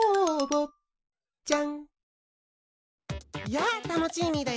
やあタノチーミーだよ。